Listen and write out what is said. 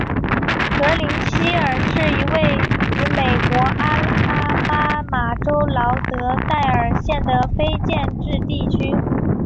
格林希尔是一个位于美国阿拉巴马州劳德代尔县的非建制地区。